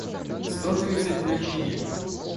сто тридцать две книги